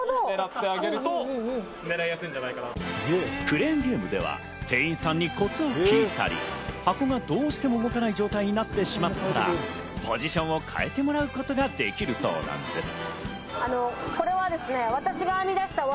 クレーンゲームでは店員さんにコツを聞いたり、箱がどうしても動かない状態になってしまったらポジションを変えてもらうことができるそうなんです。